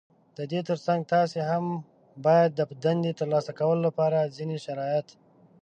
د دې تر څنګ تاسې هم بايد د دندې ترلاسه کولو لپاره ځينې شرايط